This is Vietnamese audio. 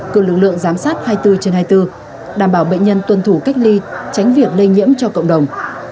cử lực lượng giám sát hai mươi bốn trên hai mươi bốn đảm bảo bệnh nhân tuân thủ cách ly tránh việc lây nhiễm cho cộng đồng